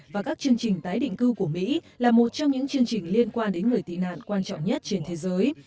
và các chương trình tái định cư của mỹ là một trong những chương trình liên quan đến người tị nạn quan trọng nhất trên thế giới